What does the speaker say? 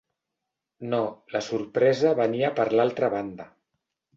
No, la sorpresa venia per l'altra banda.